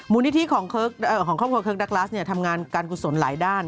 นิธิของครอบครัวเคิร์กดักลัสทำงานการกุศลหลายด้าน